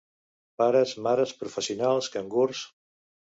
Pares mares professionals cangurs.